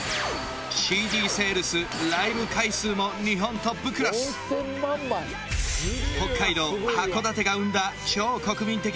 セールスライブ回数も日本トップクラス北海道函館が生んだ超国民的